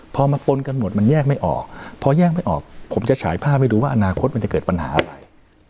พอมาปนกันหมดมันแยกไม่ออกพอแยกไม่ออกผมจะฉายภาพให้ดูว่าอนาคตมันจะเกิดปัญหาอะไร